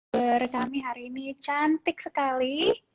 bagi kami hari ini cantik sekali